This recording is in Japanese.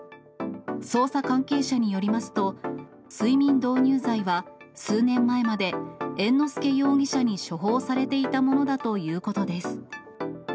捜査関係者によりますと、睡眠導入剤は、数年前まで猿之助容疑者に処方されていたものだということです。